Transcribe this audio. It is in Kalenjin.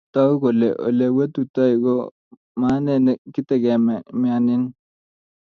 Togu kole ole wetutoi ko mane kitegemeane